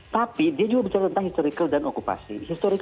tapi dia juga bicara tentang historical dan okupasi